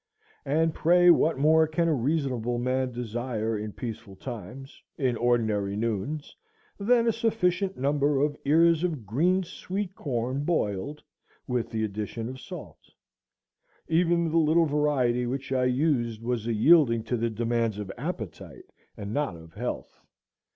And pray what more can a reasonable man desire, in peaceful times, in ordinary noons, than a sufficient number of ears of green sweet corn boiled, with the addition of salt? Even the little variety which I used was a yielding to the demands of appetite, and not of health.